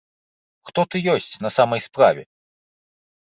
Хто ты ёсць на самай справе?